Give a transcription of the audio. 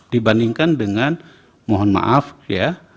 dibandingkan dengan mohon maaf ya